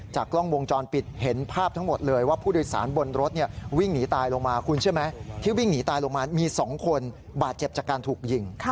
กล้องวงจรปิดเห็นภาพทั้งหมดเลยว่าผู้โดยสารบนรถวิ่งหนีตายลงมาคุณเชื่อไหมที่วิ่งหนีตายลงมามี๒คนบาดเจ็บจากการถูกยิง